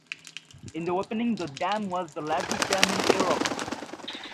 In the opening the dam was the largest dam in Europe.